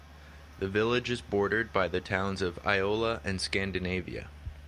The village is bordered by the towns of Iola and Scandinavia.